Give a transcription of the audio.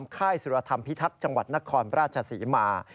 ค่ายสุรธรรมพิทักษ์จังหวัดนครราชศรีมา